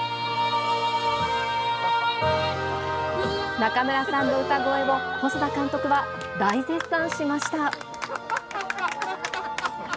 中村さんの歌声を、細田監督は大絶賛しました。